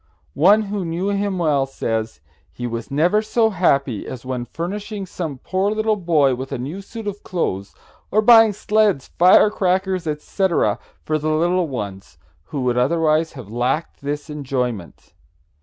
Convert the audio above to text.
One who knew him well says: "He was never so happy as when furnishing some poor little boy with a new suit of clothes, or buying sleds, fire crackers, etc., for the little ones who would otherwise have lacked this enjoyment."